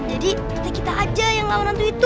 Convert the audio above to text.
jadi kita aja yang lawan hantu itu